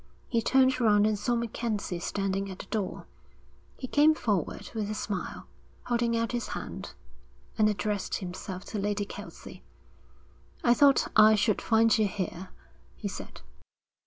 He turned round and saw MacKenzie standing at the door. He came forward with a smile, holding out his hand, and addressed himself to Lady Kelsey. 'I thought I should find you here,' he said.